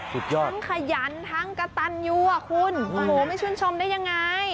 ทั้งขยันทั้งกะตันอยู่หว่าคุณโหไม่ช่วงชมได้ยังไง